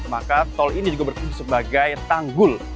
maka tol ini juga berfungsi sebagai tanggul